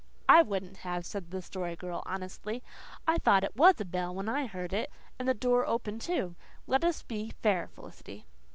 "I wouldn't have," said the Story Girl honestly. "I thought it WAS a bell when I heard it, and the door open, too. Let us be fair, Felicity."